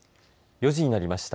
４時になりました。